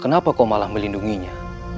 kenapa kau malah melindunginya